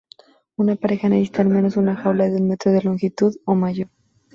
Una pareja necesita al menos una jaula de un metro de longitud o mayor.